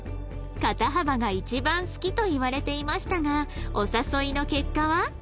「肩幅が一番好き」と言われていましたがお誘いの結果は？